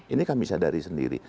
ini kami sadari sendiri